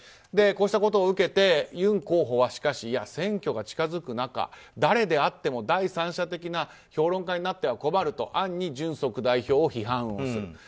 こうしたことを受けてユン候補は、しかし選挙が近づく中誰であっても第三者的な評論家になっては困ると暗にジュンソク代表を批判をする。